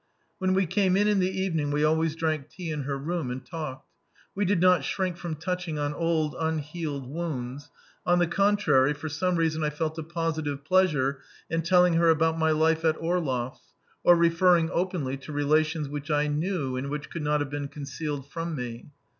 When we came in in the evening we always drank tea in her room and talked. We did not shrink from touching on old, unhealed wounds on the contrary, for some reason I felt a positive pleasure in telling her about my life at Orlov's, or referring openly to relations which I knew and which could not have been concealed from me.